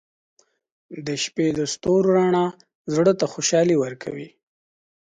• د شپې د ستورو رڼا زړه ته خوشحالي ورکوي.